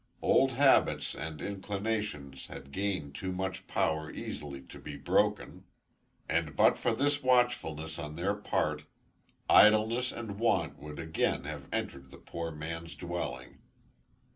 Old habits and inclinations had gained too much power easily to be broken; and but for this watchfulness on their part, idleness and want would again have entered the poor man's dwelling.